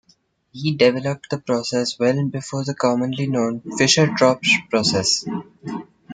He developed the process well before the commonly known Fischer-Tropsch process.